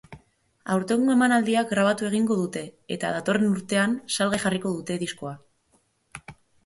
Aurtengo emanaldia grabatu egingo dute eta datorren urtean salgai jarriko dute diskoa.